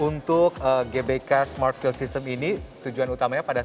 untuk gbk smart field system ini tujuan utamanya pada